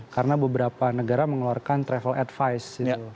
karena beberapa negara mengeluarkan travel advice